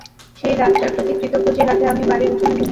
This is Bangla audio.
সেই রাতটার প্রতি কৃতজ্ঞ যে রাতে আমি বাড়ির উঠোনে ঘুমিয়েছিলাম।